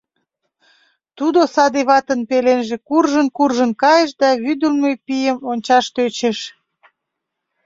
Тудо саде ватын пеленже куржын-куржын кайыш да вӱдылмӧ пийым ончаш тӧчыш.